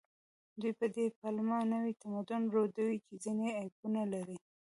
دوی په دې پلمه نوي تمدن ردوي چې ځینې عیبونه لري